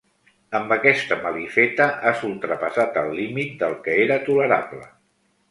Amb aquesta malifeta has ultrapassat el límit del que era tolerable.